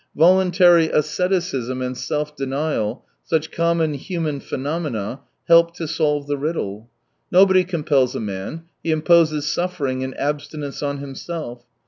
Voluntary asceticism and self denial, such common human phenomena, help to solve the riddle. Nobody compels a man, he imposes suffering and abstinence on himself.